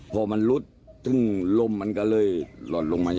พอมันลุดซึ่งลมมันก็เลยหล่นลงมา